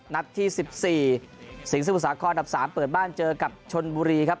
นัดที่สิบสี่สิงห์สมุทรศาครดับสามเปิดบ้านเจอกับชนบุรีครับ